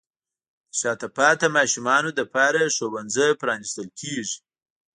د شاته پاتې ماشومانو لپاره ښوونځي پرانیستل کیږي.